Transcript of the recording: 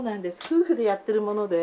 夫婦でやってるもので。